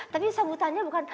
tapi sambutannya bukan